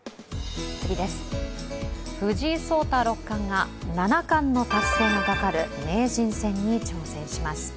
藤井聡太六冠が七冠の達成がかかる名人戦に挑戦します。